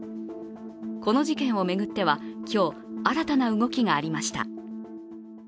この事件を巡っては今日新たな動きがありました。